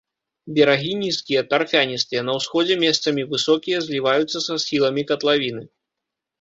Берагі нізкія, тарфяністыя, на ўсходзе месцамі высокія, зліваюцца са схіламі катлавіны.